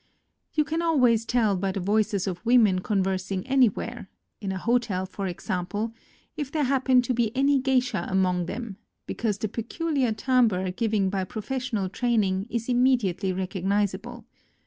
You can always tell by the voices of women conversing anywhere — in a hotel, for exam ple — if there happen to be any geisha among them, because the peculiar timbre given by professional training is immediately recogniz able.